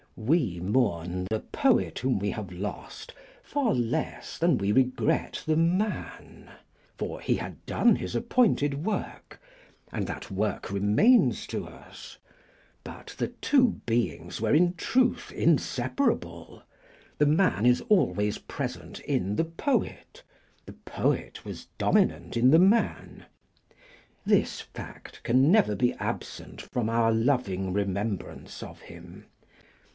We mourn the poet whom we have lost far less than we regret the man: for he had done his appointed work; and that work remains to us. But the two beings were in truth inseparable. The man is always present in the poet; the poet was dominant in the man. This fact can never be absent from our loving remembrance of him.